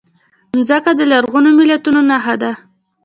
مځکه د لرغونو ملتونو نښه ده.